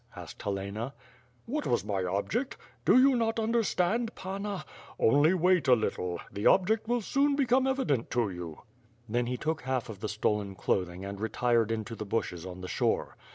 asked Helena. "What was my object? Do you not understand, Panna? Only wait a little. The object will soon become evident to you/' WITH FIRE AND BWOHt>. ^57 Then he took half of the stolen clothing and retired into the bushes on the shore.